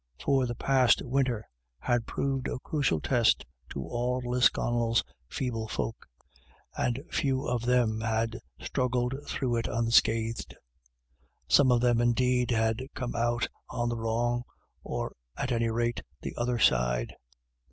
For the past winter had proved a crucial test to all Lisconnel's feeble folk, and few of them had struggled through it unscathed. Some of them, indeed, had come out on the wrong, or at any rate, the other side.